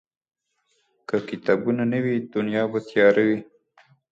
که کتابونه نه وي، دنیا به تیاره وي.